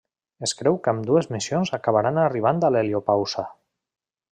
Es creu que ambdues missions acabaran arribant a l'heliopausa.